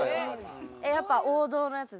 やっぱ王道なやつですか？